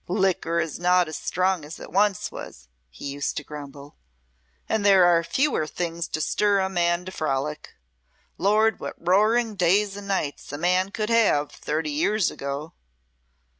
"Liquor is not as strong as it once was," he used to grumble, "and there are fewer things to stir a man to frolic. Lord, what roaring days and nights a man could have thirty years ago."